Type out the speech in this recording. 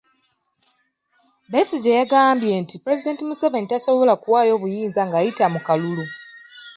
Besigye yagambye nti Pulezidenti Museveni tasobola kuwaayo buyinza ng'ayita mu kalulu.